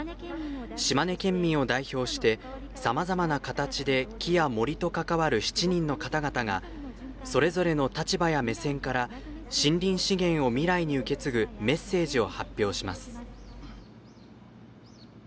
島根県民を代表してさまざまな形で木や森と関わる７人の方々がそれぞれの立場や目線から森林資源を未来に受け継ぐメッセージを発表します。